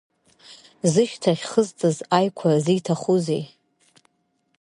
Зышьҭахь хызтыз аиқәа зиҭахузеи.